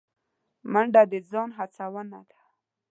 منډه د ځان هڅونه ده